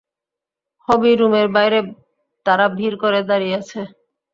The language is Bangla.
হবি রুমের বাইরে তারা ভিড় করে দাঁড়িয়ে আছে।